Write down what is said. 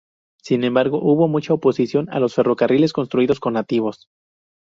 Sin embargo, hubo mucha oposición a los ferrocarriles construidos con nativos.